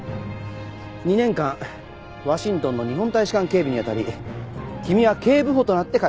２年間ワシントンの日本大使館警備にあたり君は警部補となって帰ってきた。